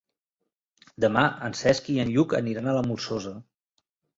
Demà en Cesc i en Lluc aniran a la Molsosa.